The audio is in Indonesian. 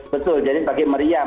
betul jadi pakai meriam